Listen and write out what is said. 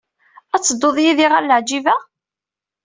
Ad tedduḍ yid-i ɣer Leɛǧiba?